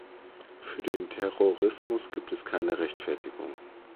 Für den Terrorismus gibt es keine Rechtfertigung.